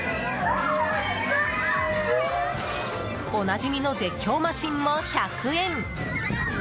おなじみの絶叫マシンも１００円。